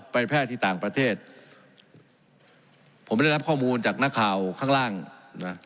แพทย์ที่ต่างประเทศผมได้รับข้อมูลจากนักข่าวข้างล่างนะ